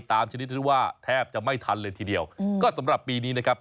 ชนิดที่ว่าแทบจะไม่ทันเลยทีเดียวก็สำหรับปีนี้นะครับ